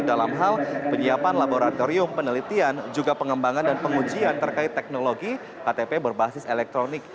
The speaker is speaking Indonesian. dalam hal penyiapan laboratorium penelitian juga pengembangan dan pengujian terkait teknologi ktp berbasis elektronik